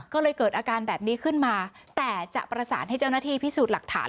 ก็เลยเกิดอาการแบบนี้ขึ้นมาแต่จะประสานให้เจ้าหน้าที่พิสูจน์หลักฐาน